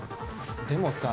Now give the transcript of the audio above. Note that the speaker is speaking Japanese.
でもさ。